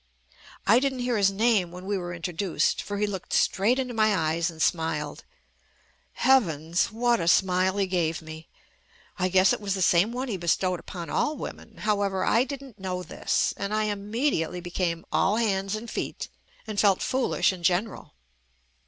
I didn't hear his name when we were introduced, for he looked straight into my eyes and smiled. Heavens ! What a smile he gave me. I guess it was the same one he bestowed upon all women. However, I didn't know this, JUST ME and I immediately became all hands and feet and felt foolish in general.